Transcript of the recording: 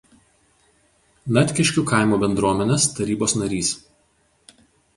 Natkiškių kaimo bendruomenės tarybos narys.